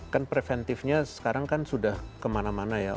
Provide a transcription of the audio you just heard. kan preventifnya sekarang kan sudah kemana mana ya